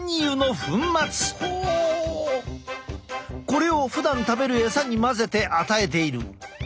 これをふだん食べる餌に混ぜて与えている。